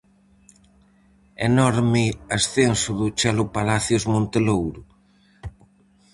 Enorme ascenso do Chelo Palacios Monte Louro.